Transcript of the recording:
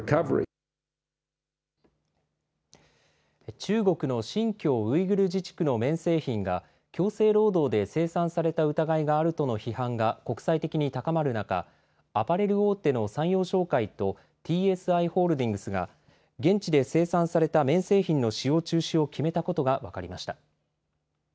中国の新疆ウイグル自治区の綿製品が強制労働で生産された疑いがあるとの批判が国際的に高まる中、アパレル大手の三陽商会とＴＳＩホールディングスが現地で生産された綿製品の使用中止を決めたことが分かりました。